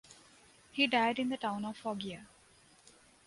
He died in the town of Foggia.